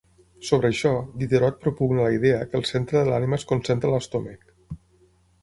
Sobre això, Diderot propugna la idea que el centre de l'ànima es concentra a l'estómac.